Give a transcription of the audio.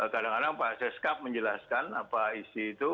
kadang kadang pak seskap menjelaskan apa isi itu